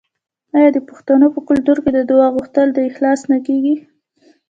آیا د پښتنو په کلتور کې د دعا غوښتل په اخلاص نه کیږي؟